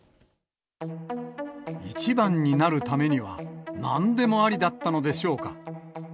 一番になるためにはなんでもありだったのでしょうか。